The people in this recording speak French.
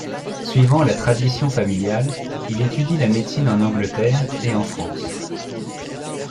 Suivant la tradition familiale, il étudie la médecine en Angleterre et en France.